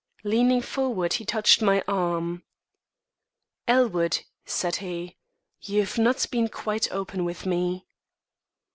Leaning forward, he touched my arm. "Elwood," said he, "you've not been quite open with me."